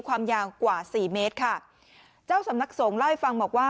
ความยาวกว่าสี่เมตรค่ะเจ้าสำนักสงฆ์เล่าให้ฟังบอกว่า